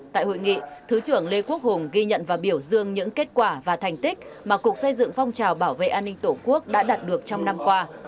tại hội nghị thứ trưởng lê quốc hùng ghi nhận và biểu dương những kết quả và thành tích mà cục xây dựng phong trào bảo vệ an ninh tổ quốc đã đạt được trong năm qua